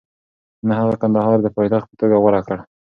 نه، هغه کندهار د پایتخت په توګه غوره کړ.